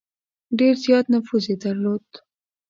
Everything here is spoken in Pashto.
ډېر زیات نفوذ یې درلود.